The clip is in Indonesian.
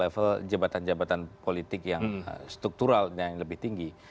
level jabatan jabatan politik yang struktural yang lebih tinggi